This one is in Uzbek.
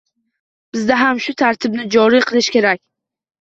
Bizda ham shu tartibni joriy qilish kerak.